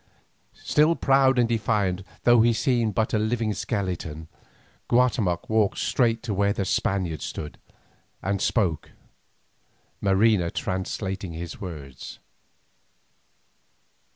Still proud and defiant, though he seemed but a living skeleton, Guatemoc walked straight to where the Spaniard stood, and spoke, Marina translating his words.